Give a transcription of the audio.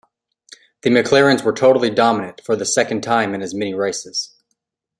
The McLarens were totally dominant, for the second time in as many races.